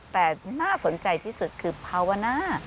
แต่น่าสนใจที่สุดคือภาวาน่า